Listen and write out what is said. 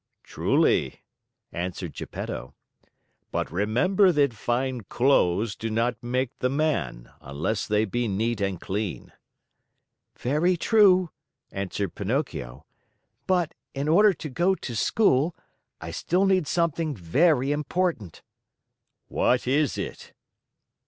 "Truly," answered Geppetto. "But remember that fine clothes do not make the man unless they be neat and clean." "Very true," answered Pinocchio, "but, in order to go to school, I still need something very important." "What is it?"